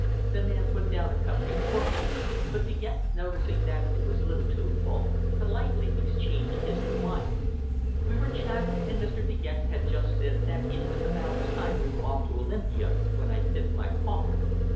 The man put down a cup before me, but De Gex noticing that it was a little too full, politely exchanged his for mine. "We were chatting, and Mr. De Gex had just said that it was about time we were off to Olympia, when I sipped my coffee.